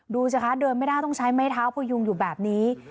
ดูสิคะเดินไม่ได้ต้องใช้ไม้เท้าพยุงอยู่แบบนี้